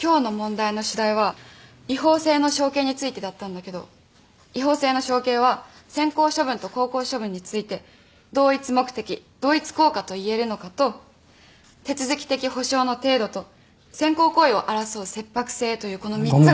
今日の問題の主題は違法性の承継についてだったんだけど違法性の承継は先行処分と後行処分について同一目的同一効果といえるのかと手続き的保障の程度と先行行為を争う切迫性というこの３つが。